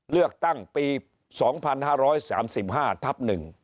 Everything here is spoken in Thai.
เลือกตั้งปี๒๕๓๕ทับ๑